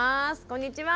こんにちは。